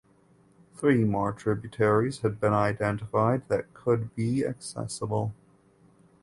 Three more tributaries had been identified that could be accessible.